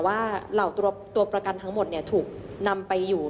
ว่าเหล่าตัวประกันทั้งหมดถูกนำไปอยู่